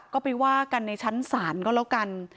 ก็ไปว่ากันในชั้นศาลก็แล้วกัน